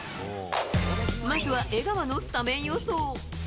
まずは、江川のスタメン予想。